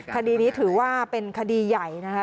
คดีนี้ถือว่าเป็นคดีใหญ่นะคะ